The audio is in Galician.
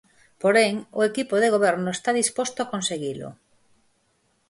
Porén, o equipo de goberno está disposto a conseguilo.